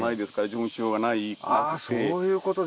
あそういうことですか。